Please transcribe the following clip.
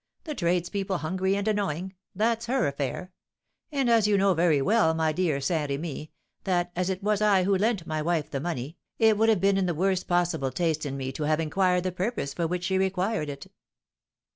The tradespeople hungry and annoying, that's her affair. And, as you know very well, my dear Saint Remy, that, as it was I who lent my wife the money, it would have been in the worst possible taste in me to have inquired the purpose for which she required it."